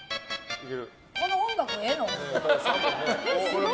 この音楽でええの？